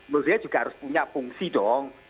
mereka juga harus punya fungsi dong